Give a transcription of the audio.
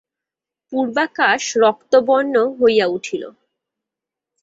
পূর্বাকাশ রক্তবর্ণ হইয়া উঠিল।